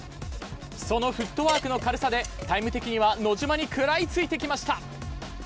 そのフットワークの軽さでタイム的には野島に食らいついてきました。